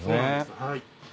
はい。